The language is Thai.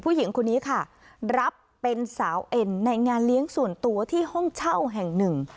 ผู้หญิงคนนี้ค่ะรับเป็นสาวเอ็นในงานเลี้ยงส่วนตัวที่ห้องเช่าแห่งหนึ่ง